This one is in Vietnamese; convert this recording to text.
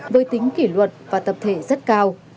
với tính kỷ luật và tập thể rất cao